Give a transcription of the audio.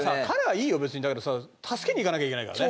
だけどさ助けに行かなきゃいけないからね。